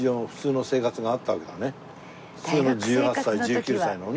普通の１８歳１９歳のね。